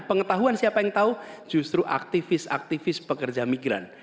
pengetahuan siapa yang tahu justru aktivis aktivis pekerja migran